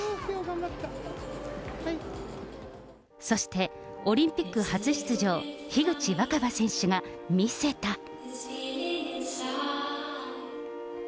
そして、オリンピック初出場、樋口新葉選手が見せた。